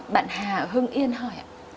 bạn hà hưng yên hỏi ạ